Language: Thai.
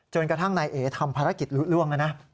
จนกระทั่งนายเอ๋ทำภารกิจล้วง